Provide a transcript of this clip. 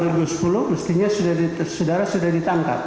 tahun dua ribu sepuluh mestinya saudara sudah ditangkap